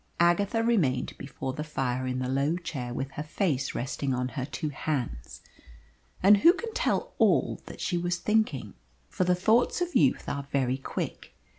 Agatha remained before the fire in the low chair with her face resting on her two hands, and who can tell all that she was thinking? For the thoughts of youth are very quick.